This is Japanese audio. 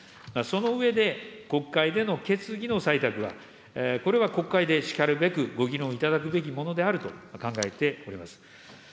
その上で、国会での決議の採択は、これは国会でしかるべくご議論いただくべきものであると考えております。